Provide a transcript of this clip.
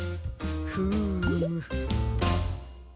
フーム。